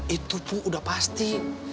itu bu udah pasti